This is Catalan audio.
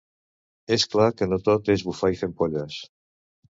És clar que no tot és bufar i fer ampolles.